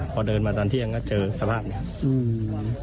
พอเดินมาตอนเที่ยงก็เจอสภาพนี้ครับ